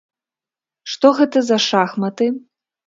Што гэта за шахматы?